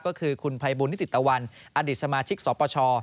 ก็คือคุณภัยบุญนิติตะวันอดีตสมาชิกสปช